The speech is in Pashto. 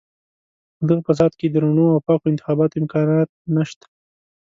په دغه فساد کې د رڼو او پاکو انتخاباتو امکانات نشته.